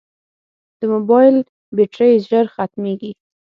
د موبایل بیټرۍ ژر ختمیږي.